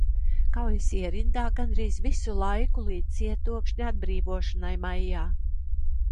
Kaujas ierindā gandrīz visu laiku līdz cietokšņa atbrīvošanai maijā.